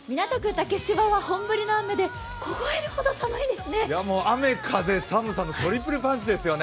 竹芝は本降りの雨で凍えるほど寒いですね。